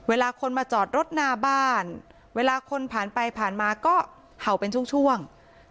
เวลาคนมาจอดรถหน้าบ้านเวลาคนผ่านไปผ่านมาก็เห่าเป็นช่วง